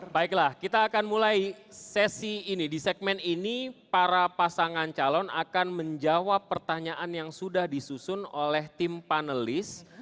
baiklah kita akan mulai sesi ini di segmen ini para pasangan calon akan menjawab pertanyaan yang sudah disusun oleh tim panelis